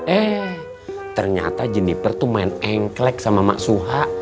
eh ternyata jenniper tuh main engklek sama mak suha